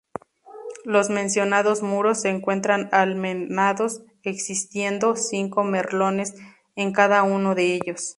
Los mencionados muros se encuentran almenados, existiendo cinco merlones en cada uno de ellos.